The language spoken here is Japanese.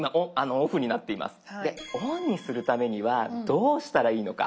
オンにするためにはどうしたらいいのか？